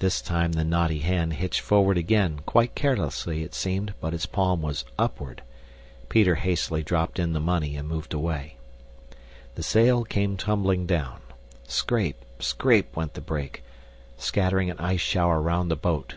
This time the knotty hand hitched forward again, quite carelessly, it seemed, but its palm was upward. Peter hastily dropped in the money and moved away. The sail came tumbling down. Scrape, scrape went the brake, scattering an ice shower round the boat.